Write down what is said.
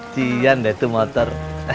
siian deh itu motor